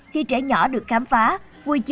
khi trẻ nhỏ được khám phá vui chơi